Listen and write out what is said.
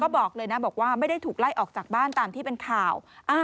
บอกเลยนะบอกว่าไม่ได้ถูกไล่ออกจากบ้านตามที่เป็นข่าว